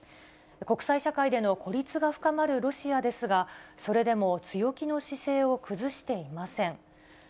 国際社会での孤立が深まるロシアですが、それでも強気の姿勢を崩していません。